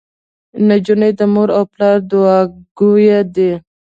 انجونو د مور او پلار دوعاګويه دي.